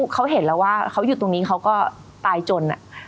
เขาเห็นแล้วว่าเขาอยู่ตรงนี้เขาก็ตายจน